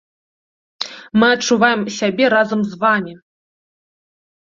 Мы адчуваем сябе разам з вамі!